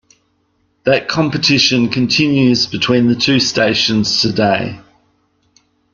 That competition continues between the two stations today.